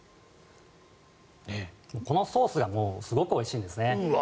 このソースがすごくおいしいんですね。